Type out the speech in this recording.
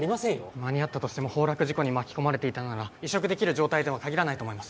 間に合ったとしても崩落事故に巻き込まれていたなら移植できる状態とは限らないと思います